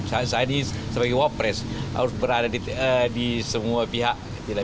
saya ini sebagai wapres harus berada di semua pihak